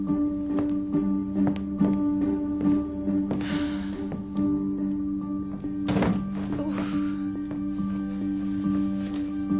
ああ。